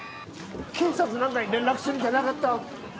警察なんかに連絡するんじゃなかった。